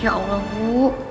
ya allah bu